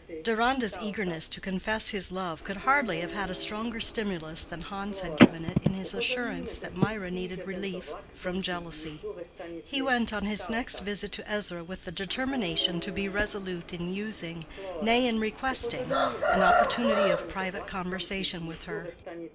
Deronda's eagerness to confess his love could hardly have had a stronger stimulus than Hans had given it in his assurance that Mirah needed relief from jealousy. He went on his next visit to Ezra with the determination to be resolute in using—nay, in requesting—an opportunity of private conversation with her.